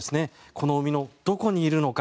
この海のどこにいるのか。